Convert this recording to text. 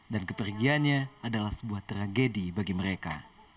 dan kepergiannya adalah sebuah tragedi bagi mereka